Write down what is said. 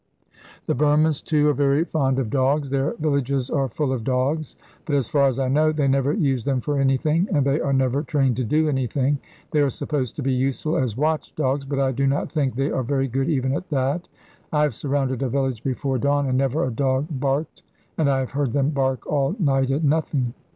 The Burmans, too, are very fond of dogs. Their villages are full of dogs; but, as far as I know, they never use them for anything, and they are never trained to do anything. They are supposed to be useful as watch dogs, but I do not think they are very good even at that. I have surrounded a village before dawn, and never a dog barked, and I have heard them bark all night at nothing.